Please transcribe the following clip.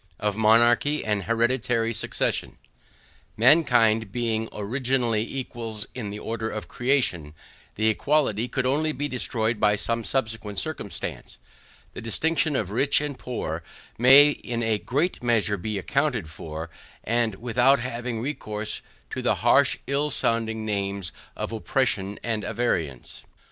OF MONARCHY AND HEREDITARY SUCCESSION MANKIND being originally equals in the order of creation, the equality could only be destroyed by some subsequent circumstance; the distinctions of rich, and poor, may in a great measure be accounted for, and that without having recourse to the harsh ill sounding names of oppression and avarice.